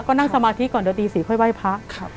ก็นั่งสมาธิก่อนเดี๋ยวตี๔ค่อยไหว้พระ